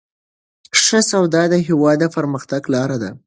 ښه سواد د هیواد د پرمختګ لاره ده.